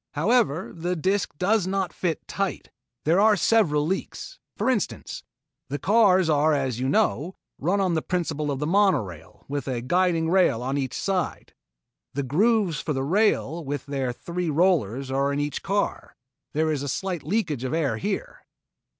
However, the disc does not fit tight. There are several leaks. For instance, the cars are as you know, run on the principle of the monorail with a guiding rail on each side. The grooves for the rails with their three rollers are in each car. There is a slight leakage of air here."